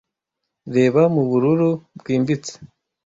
Reba, mubururu bwimbitse!